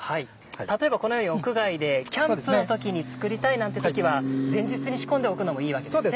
例えばこのように屋外でキャンプの時に作りたいなんて時は前日に仕込んでおくのもいいわけですね。